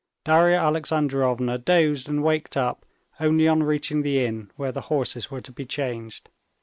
Darya Alexandrovna dozed and waked up only on reaching the inn where the horses were to be changed.